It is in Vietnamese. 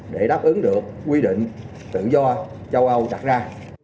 để đáp ứng được quy định tự do châu âu đặt ra